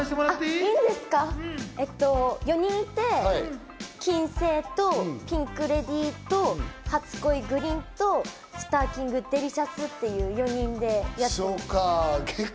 ４人いて、金星とピンクレディとはつ恋ぐりんと、スターキングデリシャスっていう４人でやってます。